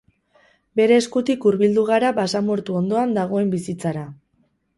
Bere eskutik hurbildu gara basamortu ondoan dagoen bizitzara.